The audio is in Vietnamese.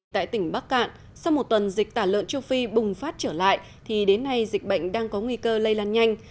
tại tỉnh bắc cạn sau một tuần dịch tả lợn châu phi bùng phát trở lại thì đến nay dịch bệnh đang có nguy cơ lây lan nhanh